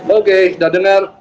oke sudah dengar